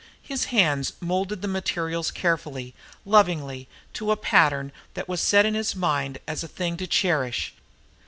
His hands molded the materials carefully, lovingly to a pattern that was set in his mind as a thing to cherish.